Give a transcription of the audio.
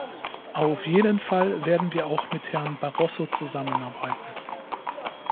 Auf jeden Fall werden wir auch mit Herrn Barroso zusammenarbeiten.